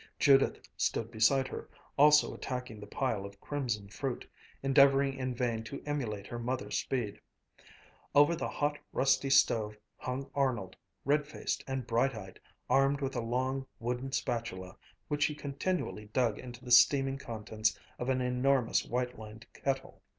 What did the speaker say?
Judith stood beside her, also attacking the pile of crimson fruit, endeavoring in vain to emulate her mother's speed. Over the hot, rusty stove hung Arnold, red faced and bright eyed, armed with a long, wooden spatula which he continually dug into the steaming contents of an enormous white lined kettle.